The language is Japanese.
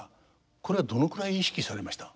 これはどのくらい意識されました？